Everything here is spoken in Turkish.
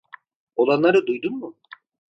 Olanları duydun mu?